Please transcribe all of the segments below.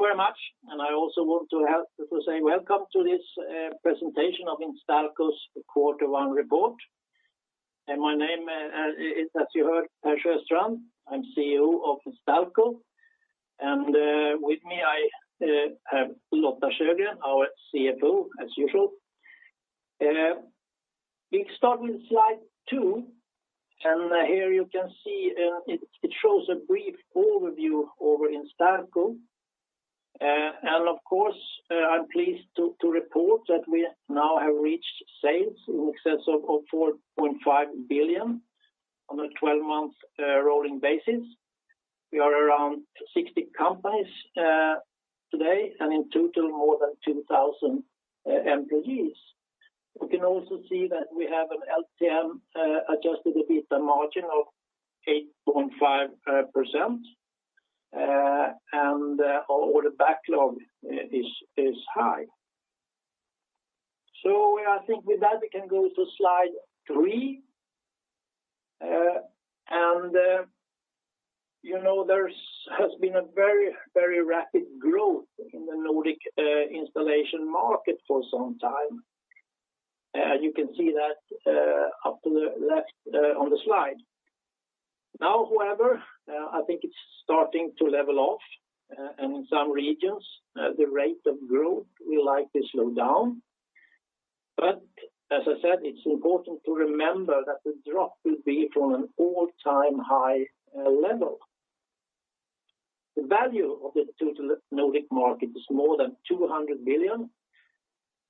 Very much. I also want to say welcome to this presentation of Instalco's quarter one report. My name, as you heard, Per Sjöstrand. I'm CEO of Instalco, and with me I have Lotta Sjögren, our CFO, as usual. We start with slide two, here you can see it shows a brief overview over Instalco. Of course, I'm pleased to report that we now have reached sales in excess of 4.5 billion on a 12-month rolling basis. We are around 60 companies today, in total, more than 2,000 employees. We can also see that we have an LTM adjusted EBITDA margin of 8.5%, order backlog is high. I think with that, we can go to slide three. There has been a very rapid growth in the Nordic installation market for some time. You can see that up to the left on the slide. However, I think it's starting to level off, and in some regions, the rate of growth will likely slow down. As I said, it's important to remember that the drop will be from an all-time high level. The value of the total Nordic market is more than 200 billion,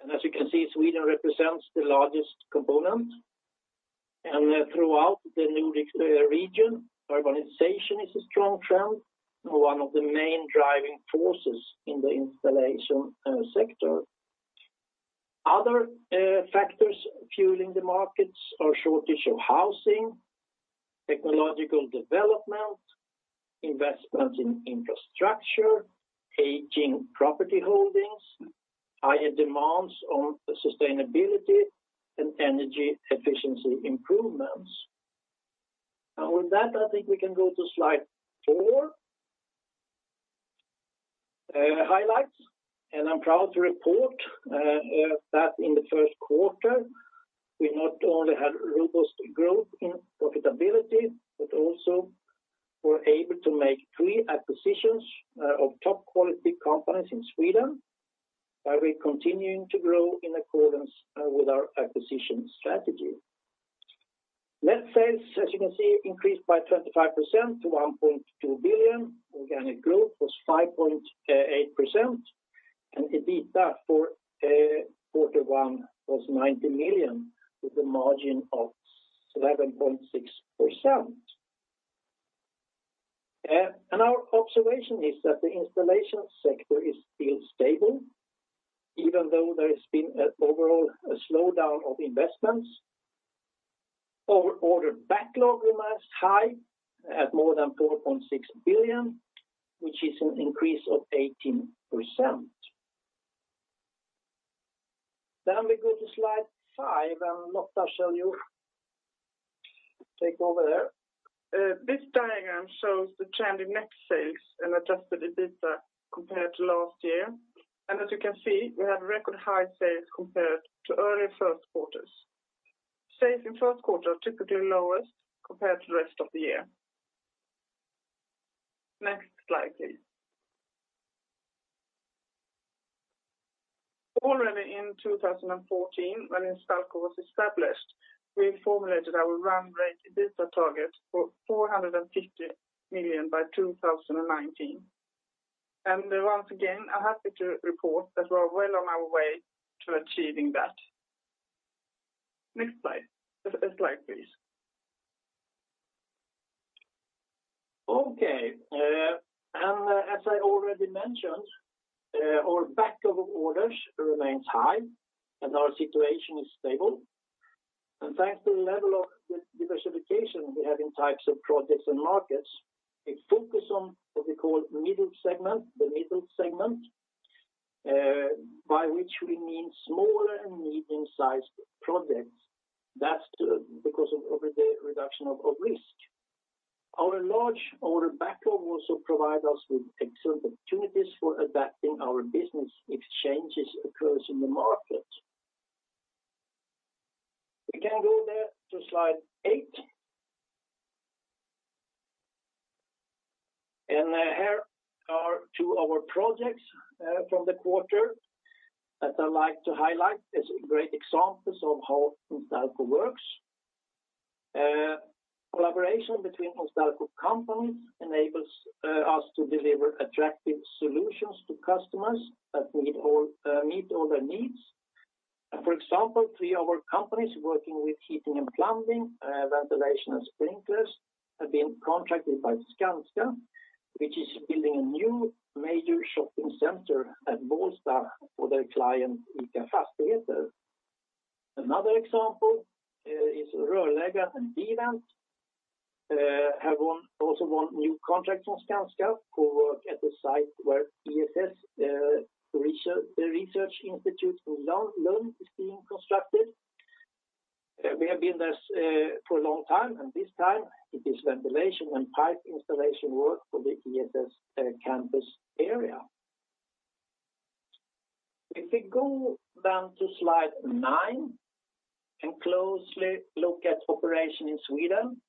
and as you can see, Sweden represents the largest component. Throughout the Nordic region, urbanization is a strong trend and one of the main driving forces in the installation sector. Other factors fueling the markets are shortage of housing, technological development, investments in infrastructure, aging property holdings, higher demands on sustainability, and energy efficiency improvements. With that, I think we can go to slide four. Highlights, I'm proud to report that in the first quarter, we not only had robust growth in profitability, but also were able to make 3 acquisitions of top-quality companies in Sweden, while we're continuing to grow in accordance with our acquisition strategy. Net sales, as you can see, increased by 25% to 1.2 billion. Organic growth was 5.8%, EBITDA for quarter one was 90 million, with a margin of 11.6%. Our observation is that the installation sector is still stable, even though there has been an overall slowdown of investments. Our order backlog remains high at more than 4.6 billion, which is an increase of 18%. We go to slide five, Lotta, I'll let you take over there. This diagram shows the trend in net sales and adjusted EBITDA compared to last year. As you can see, we have record high sales compared to earlier first quarters. Sales in first quarter are typically lowest compared to the rest of the year. Next slide, please. Already in 2014, when Instalco was established, we formulated our run-rate EBITDA target for 450 million by 2019. Once again, I'm happy to report that we are well on our way to achieving that. Next slide, please. Okay. As I already mentioned, our backlog of orders remains high and our situation is stable. Thanks to the level of diversification we have in types of projects and markets, a focus on what we call the middle segment, by which we mean small and medium-sized projects. That's because of the reduction of risk. Our large order backlog also provide us with excellent opportunities for adapting our business if changes occurs in the market. We can go there to slide eight. Here are two of our projects from the quarter that I'd like to highlight as great examples of how Instalco works. Collaboration between Instalco companies enables us to deliver attractive solutions to customers that meet all their needs. For example, three of our companies working with heating and plumbing, ventilation, and sprinklers, have been contracted by Skanska, which is building a new major shopping center at Bålsta for their client ICA Fastigheter. Another example is Rörläggaren D-Vent have also won new contract from Skanska for work at the site where ESS in Lund is being constructed. We have been there for a long time, and this time it is ventilation and pipe installation work for the KTH campus area. If we go to slide nine and closely look at operation in Sweden,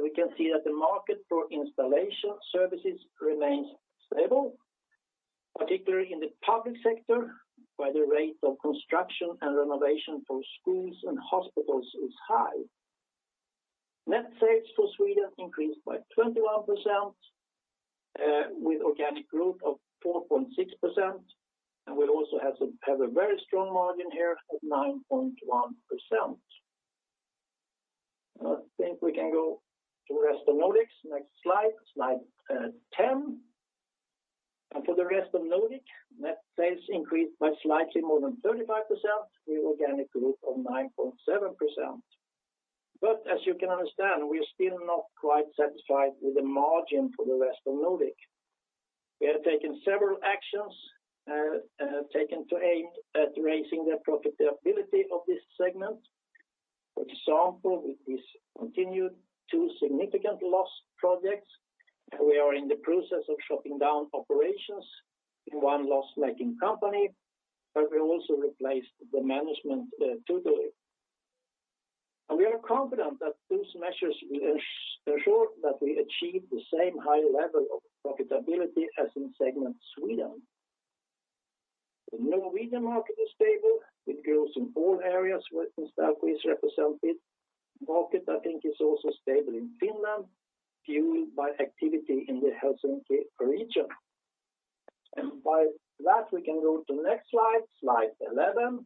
we can see that the market for installation services remains stable, particularly in the public sector, where the rate of construction and renovation for schools and hospitals is high. Net sales for Sweden increased by 21%, with organic growth of 4.6%, and we also have a very strong margin here of 9.1%. I think we can go to Rest of Nordics, next slide 10. For the Rest of Nordics, net sales increased by slightly more than 35%, with organic growth of 9.7%. As you can understand, we are still not quite satisfied with the margin for the Rest of Nordics. We have taken several actions to aim at raising the profitability of this segment. For example, we discontinued two significant loss projects. We are in the process of shutting down operations in one loss-making company, but we also replaced the management totally. We are confident that those measures ensure that we achieve the same high level of profitability as in segment Sweden. The Norwegian market is stable with growth in all areas where Instalco is represented. Market, I think, is also stable in Finland, fueled by activity in the Helsinki region. By that, we can go to the next slide 11.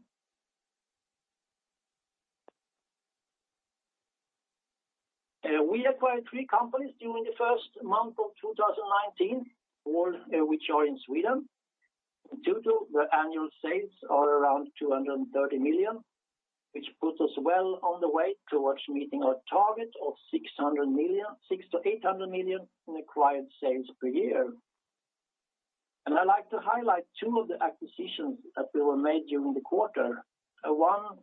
We acquired three companies during the first month of 2019, all which are in Sweden. In total, their annual sales are around 230 million, which puts us well on the way towards meeting our target of 600 million, 600 million-800 million in acquired sales per year. I'd like to highlight two of the acquisitions that were made during the quarter. One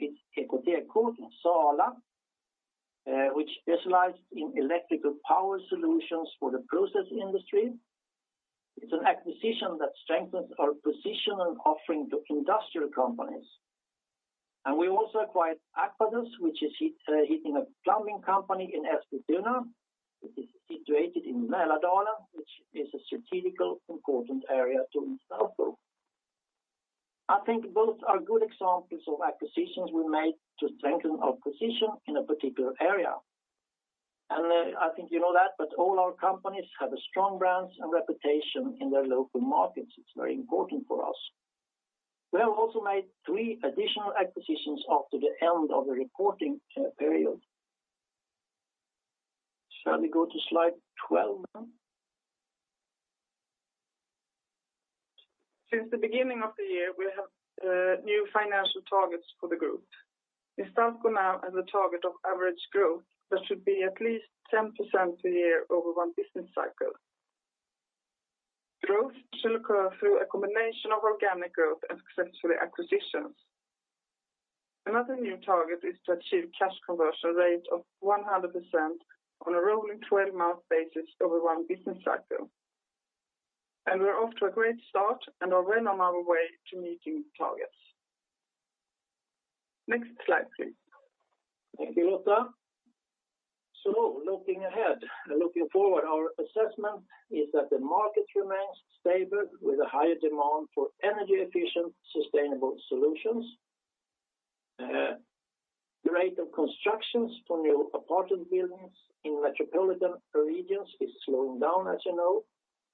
is Ekotek i Sala, which specializes in electrical power solutions for the process industry. It's an acquisition that strengthens our position and offering to industrial companies. We also acquired Aquadus, which is a heating and plumbing company in Eskilstuna. It is situated in Mälardalen, which is a strategically important area to Instalco. I think both are good examples of acquisitions we made to strengthen our position in a particular area. I think you know that, all our companies have strong brands and reputation in their local markets. It is very important for us. We have also made three additional acquisitions after the end of the reporting period. Shall we go to slide 12 now? Since the beginning of the year, we have new financial targets for the group. Instalco now has a target of average growth that should be at least 10% a year over one business cycle. Growth should occur through a combination of organic growth and successful acquisitions. Another new target is to achieve cash conversion rate of 100% on a rolling 12-month basis over one business cycle. We are off to a great start and are well on our way to meeting the targets. Next slide, please. Thank you, Lotta. Looking ahead and looking forward, our assessment is that the market remains stable with a higher demand for energy-efficient, sustainable solutions. The rate of constructions for new apartment buildings in metropolitan regions is slowing down, as you know.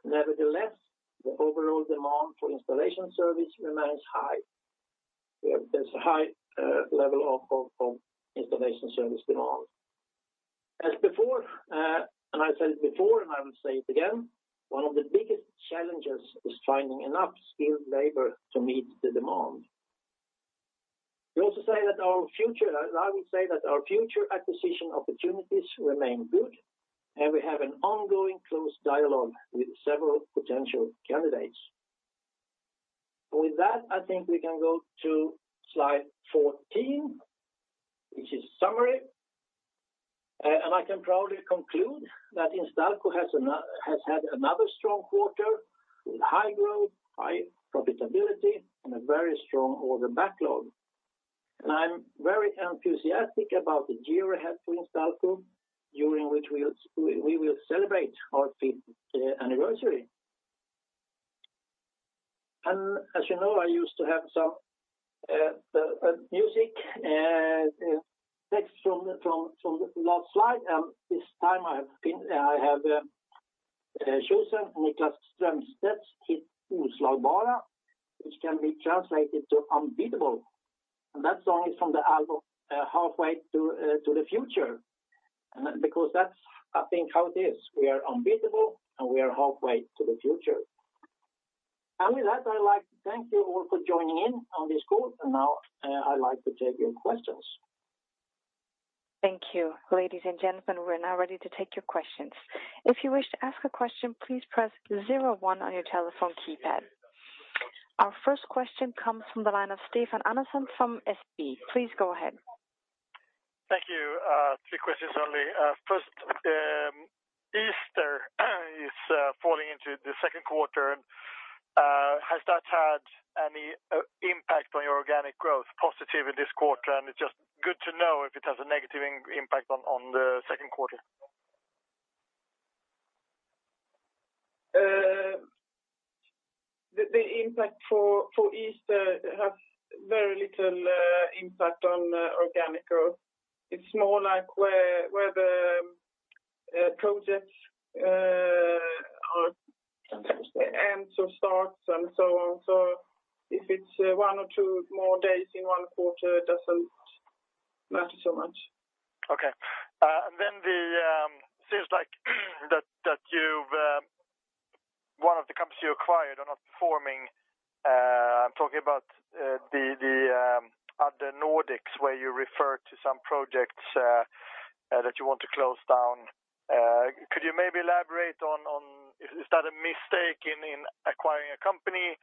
Nevertheless, the overall demand for installation service remains high. There is a high level of installation service demand. As I said before, I will say it again, one of the biggest challenges is finding enough skilled labor to meet the demand. I will say that our future acquisition opportunities remain good, and we have an ongoing close dialogue with several potential candidates. With that, I think we can go to slide 14, which is summary. I can proudly conclude that Instalco has had another strong quarter with high growth, high profitability, and a very strong order backlog. I am very enthusiastic about the year ahead for Instalco, during which we will celebrate our fifth anniversary. As you know, I used to have some music text from last slide, this time I have chosen Niklas Strömstedt's hit "Oslagbara," which can be translated to unbeatable. That song is from the album Halfway to the Future, because that is, I think, how it is. We are unbeatable, and we are halfway to the future. With that, I would like to thank you all for joining in on this call, and now I would like to take your questions. Thank you. Ladies and gentlemen, we're now ready to take your questions. If you wish to ask a question, please press 01 on your telephone keypad. Our first question comes from the line of Stefan Andersson from SEB. Please go ahead. Thank you. Three questions only. First, Easter is falling into the second quarter. Has that had any impact on your organic growth positive in this quarter? It's just good to know if it has a negative impact on the second quarter. The impact for Easter has very little impact on organic growth. It's more like where the projects are ends or starts and so on. If it's one or two more days in one quarter, it doesn't matter so much. Okay. It seems like that one of the companies you acquired are not performing. I'm talking about the Rest of Nordics, where you refer to some projects that you want to close down. Could you maybe elaborate on, is that a mistake in acquiring a company?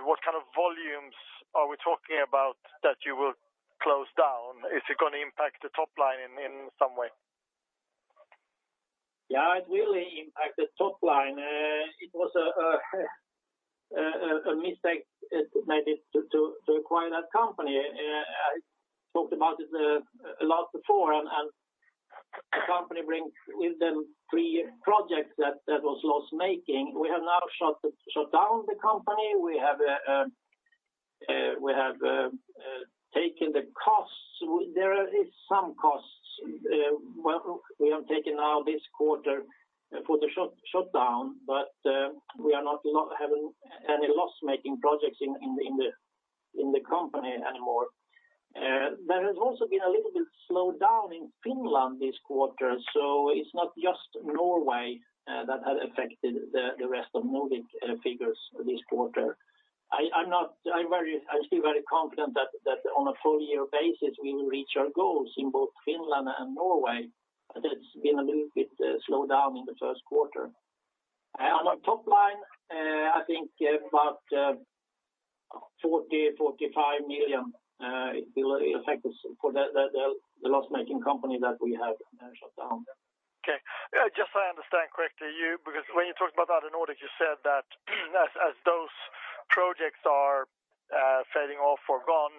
What kind of volumes are we talking about that you will close down? Is it going to impact the top line in some way? Yeah, it really impacted top line. It was a mistake made to acquire that company. I talked about it a lot before. The company brings with them three projects that was loss-making. We have now shut down the company. We have taken the costs. There is some costs we have taken now this quarter for the shutdown, but we are not having any loss-making projects in the company anymore. There has also been a little bit slowdown in Finland this quarter, so it's not just Norway that had affected the Rest of Nordics figures this quarter. I'm still very confident that on a full year basis, we will reach our goals in both Finland and Norway. There's been a little bit slowdown in the first quarter. On our top line, I think about 40 million-45 million will affect us for the loss-making company that we have shut down. Okay. Just so I understand correctly, because when you talked about Rest of Nordics, you said that as those projects are fading off or gone,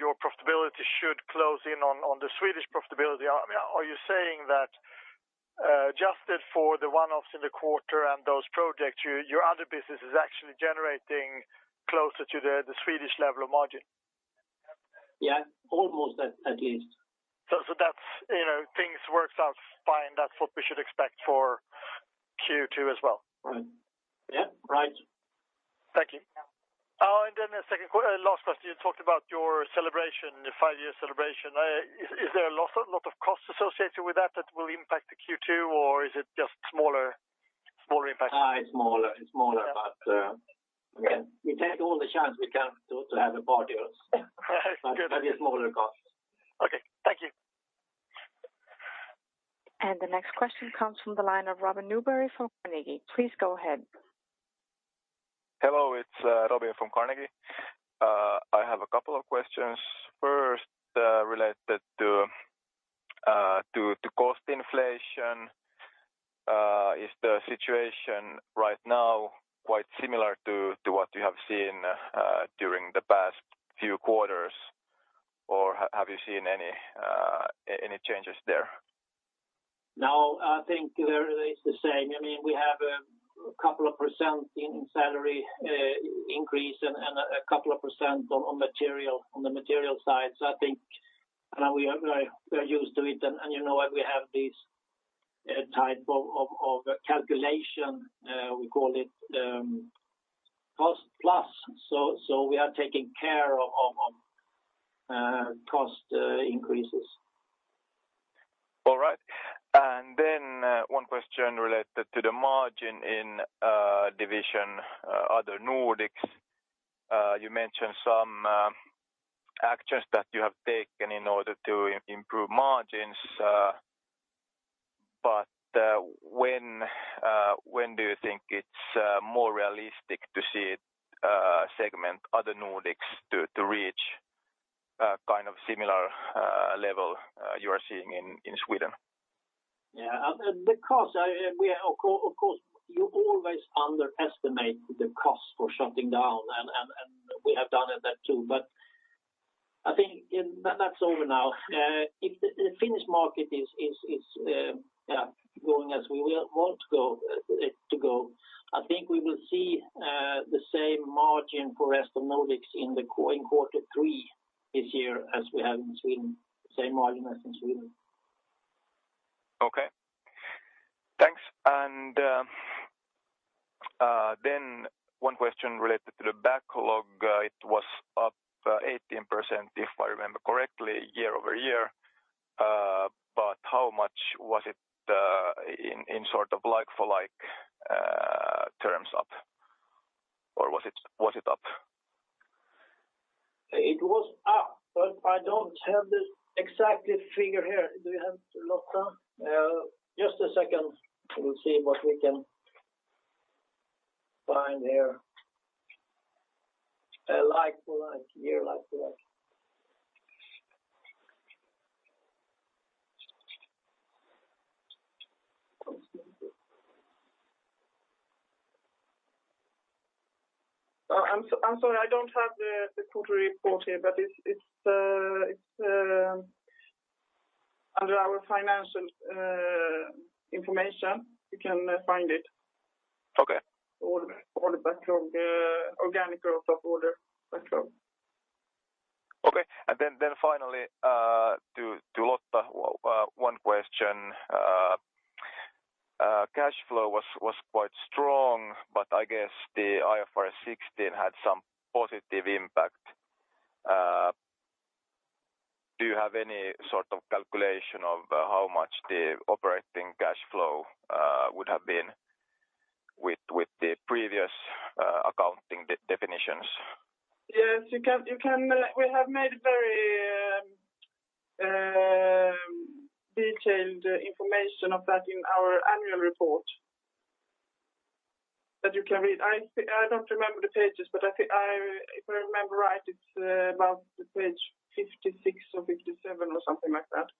your profitability should close in on the Swedish profitability. Are you saying that adjusted for the one-offs in the quarter and those projects, your other business is actually generating closer to the Swedish level of margin? Yeah, almost at least. Things works out fine. That's what we should expect for Q2 as well. Yeah, right. Thank you. The second last question, you talked about your five-year celebration. Is there a lot of costs associated with that that will impact the Q2 or is it just smaller impact? It's smaller, but we take all the chance we can to have a party. That's good. It's smaller cost. Okay. Thank you. The next question comes from the line of Robin Nyberg from Carnegie. Please go ahead. Hello, it's Robin from Carnegie. I have a couple of questions. First, related to cost inflation. Is the situation right now quite similar to what you have seen during the past few quarters, or have you seen any changes there? No, I think there it is the same. We have a couple of % in salary increase and a couple of % on the material side. I think we are very used to it. You know what? We have this type of calculation, we call it cost-plus. We are taking care of cost increases. All right. One question related to the margin in division Other Nordics. You mentioned some actions that you have taken in order to improve margins. When do you think it's more realistic to see segment Other Nordics to reach a kind of similar level you are seeing in Sweden? Yeah. Of course, you always underestimate the cost for shutting down, and we have done that too. I think that's over now. If the Finnish market is going as we want it to go, I think we will see the same margin for Rest of Nordics in quarter three this year as we have in Sweden, same margin as in Sweden. Okay. Thanks. One question related to the backlog. It was up 18%, if I remember correctly, year-over-year. How much was it in sort of like for like? Was it up? It was up, I don't have the exact figure here. Do you have it, Lotta? Just a second. We'll see what we can find here. Like for like, year like for like. I'm sorry, I don't have the quarter report here, but it's under our financial information, you can find it. Okay. Order backlog, organic growth of order backlog. Okay. Finally, to Lotta, one question. Cash flow was quite strong, but I guess the IFRS 16 had some positive impact. Do you have any sort of calculation of how much the operating cash flow would have been with the previous accounting definitions? Yes. We have made very detailed information of that in our annual report that you can read. I don't remember the pages, but if I remember right, it's about page 56 or 57 or something like that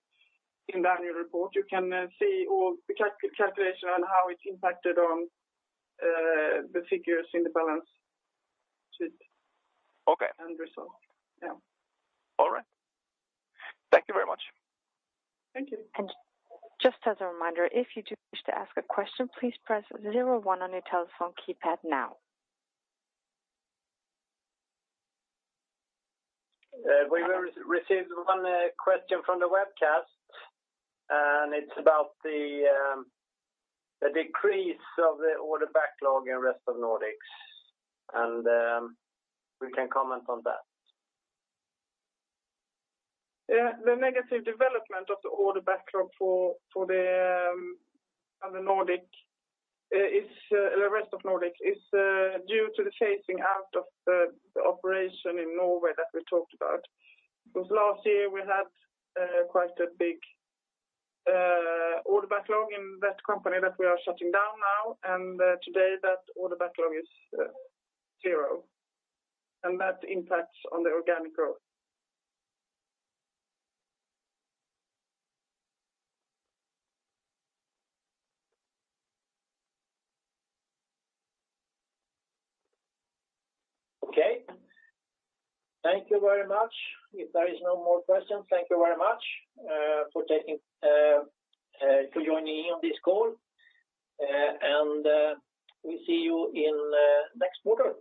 in the annual report. You can see all the calculation and how it impacted on the figures in the balance sheet. Okay. Results. Yeah. All right. Thank you very much. Thank you. Just as a reminder, if you do wish to ask a question, please press 01 on your telephone keypad now. We received one question from the webcast. It's about the decrease of the order backlog in Rest of Nordics. We can comment on that. The negative development of the order backlog for the Rest of Nordics is due to the phasing out of the operation in Norway that we talked about. Last year, we had quite a big order backlog in that company that we are shutting down now. Today that order backlog is zero. That impacts on the organic growth. Okay. Thank you very much. If there is no more questions, thank you very much for joining in on this call. We see you in the next quarter.